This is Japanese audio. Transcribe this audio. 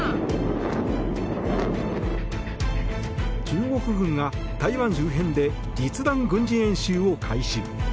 中国軍が台湾周辺で実弾軍事演習を開始。